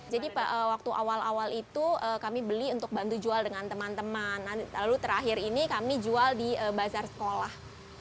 jadi waktu awal awal itu kami beli untuk bantu jual dengan teman teman lalu terakhir ini kami jual di bazar sekolah